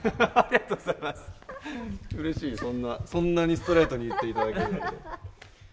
そんなそんなにストレートに言っていただけるなんて。